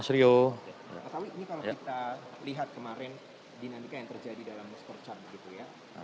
mas awi ini kalau kita lihat kemarin dinamika yang terjadi dalam muskul cat begitu ya